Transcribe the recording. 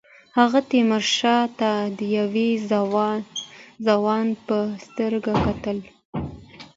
هغه تیمورشاه ته د یوه ځوان په سترګه کتل.